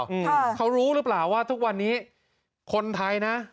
อืมเขารู้หรือเปล่าว่าทุกวันนี้คนไทยนะ